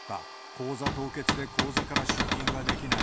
口座凍結で口座から出金ができない。